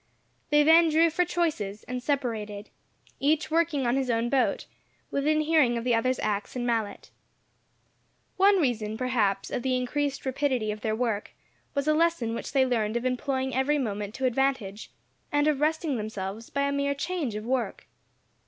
They then drew for choices, and separated, each working on his own boat, within hearing of the other's ax and mallet. One reason, perhaps, of the increased rapidity of their work, was a lesson which they learned of employing every moment to advantage, and of resting themselves by a mere change of work.